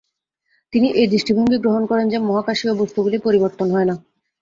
তিনি এই দৃষ্টিভঙ্গি গ্রহণ করেন যে মহাকাশীয় বস্তুগুলি পরিবর্তন হয় না।